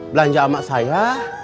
belanja sama saya